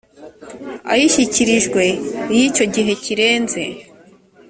ayishyikirijwe iyo icyo gihe kirenze